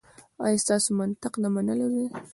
ایا ستاسو منطق د منلو دی؟